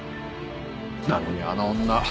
なのにあの女。